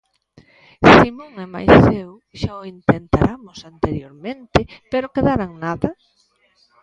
Simón e mais eu xa o intentaramos anteriormente, pero quedara en nada.